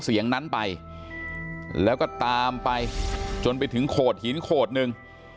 เสียงนั้นไปแล้วก็ตามไปจนไปถึงโขดหินโขดหนึ่ง